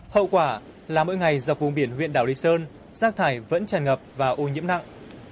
hậu quả là mỗi ngày dọc vùng biển huyện đảo lý sơn rác thải vẫn tràn ngập và ô nhiễm nặng